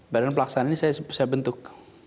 badan pelaksanaan ini saya bentuk